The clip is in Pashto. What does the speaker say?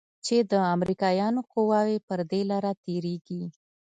چې د امريکايانو قواوې پر دې لاره تېريږي.